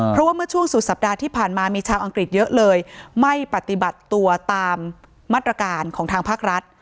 เพราะว่าเมื่อช่วงสุดสัปดาห์ที่ผ่านมามีชาวอังกฤษเยอะเลยไม่ปฏิบัติตัวตามมาตรการของทางภาครัฐ